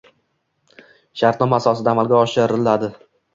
shartnoma asosida amalga oshiriladi.